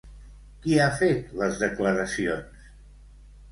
Qui ha fet les declaracions?